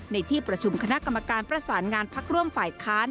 ในที่ประชุมคณะกรรมการประสานงานพักร่วมฝ่ายค้าน